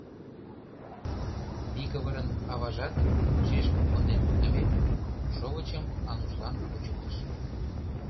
Микывырын аважат, шешкым конден пуртымек, шовычым Анушлан кучыктыш.